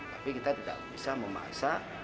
tapi kita tidak bisa memasak